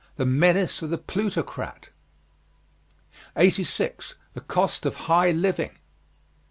THE MENACE OF THE PLUTOCRAT. 86. THE COST OF HIGH LIVING.